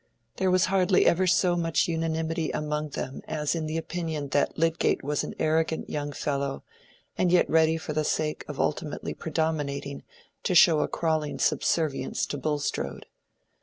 There was hardly ever so much unanimity among them as in the opinion that Lydgate was an arrogant young fellow, and yet ready for the sake of ultimately predominating to show a crawling subservience to Bulstrode.